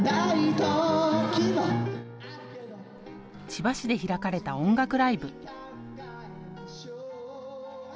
千葉市で開かれた音楽ライブ。